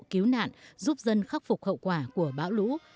cứu nạn giúp dân khắc phục hậu quả của bão lũ